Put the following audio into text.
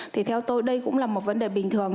thì theo tôi đây cũng là một vấn đề bình thường